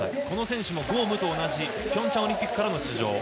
この選手も呉夢と同じピョンチャンオリンピックからの出場。